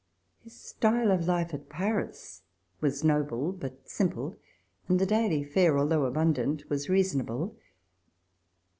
His style of life at Paris was noble but simple, and the daily fare, although abundant, was reasonable.